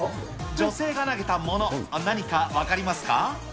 女性が投げたもの、何か分かりますか？